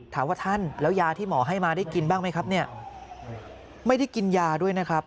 ท่านแล้วยาที่หมอให้มาได้กินบ้างไหมครับเนี่ยไม่ได้กินยาด้วยนะครับ